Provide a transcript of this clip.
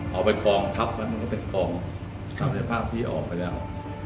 เอาไปคลองทับมันก็เป็นคลองสำเร็จภาพที่ออกไปแล้ว